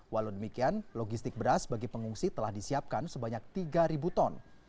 walau demikian logistik beras bagi pengungsi telah disiapkan sebanyak tiga ton